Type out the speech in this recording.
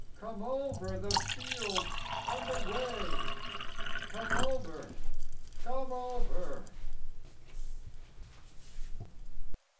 Come over the fields and away! Come over! Come over!"